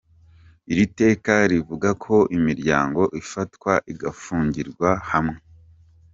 Iri teka rivuga ko imiryango ifatwa igafungirwa hamwe.